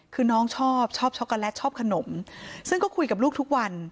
คือน้องชอบชอบช็อกโกแลตชอบขนมซึ่งก็คุยกับลูกทุกวัน